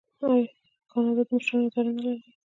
آیا کاناډا د مشرانو اداره نلري؟